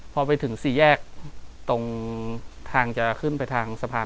กลับมาที่สุดท้ายและกลับมาที่สุดท้าย